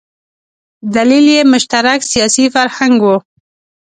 دلیل یې مشترک سیاسي فرهنګ و.